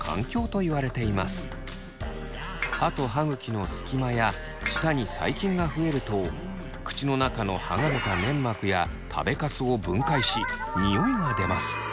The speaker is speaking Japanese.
歯と歯ぐきのスキマや舌に細菌が増えると口の中のはがれた粘膜や食べカスを分解しニオイが出ます。